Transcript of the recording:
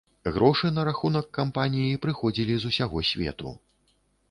Грошы на рахунак кампаніі прыходзілі з усяго свету.